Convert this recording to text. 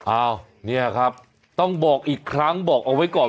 อ้าวเนี่ยครับต้องบอกอีกครั้งบอกเอาไว้ก่อน